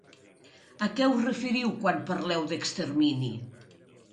A què us referiu quan parleu d’extermini?